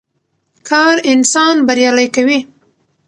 کار انسان بريالی کوي.